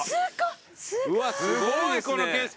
すごいこの景色。